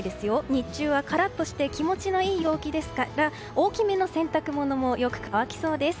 日中はカラッとして気持ちのいい陽気ですから大きめの洗濯物もよく乾きそうです。